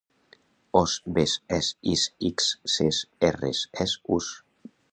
Os, bes, es, is, ics, ces, erres, es, us.